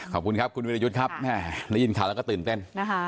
ขอบคุณครับคุณวิรยุทธ์ครับได้ยินข่าวแล้วก็ตื่นเต้นนะคะ